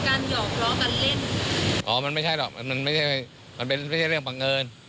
หยอกล้อกันเล่นอ๋อมันไม่ใช่หรอกมันมันไม่ใช่มันเป็นไม่ใช่เรื่องบังเอิญ